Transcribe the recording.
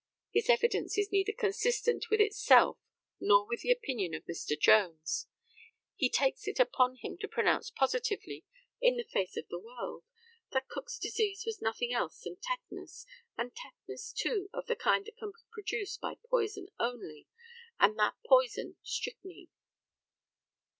His evidence is neither consistent with itself nor with the opinion of Mr. Jones. He takes upon him to pronounce positively, in the face of the world, that Cook's disease was nothing else than tetanus, and tetanus, too, of the kind that can be produced by poison only, and that poison strychnine.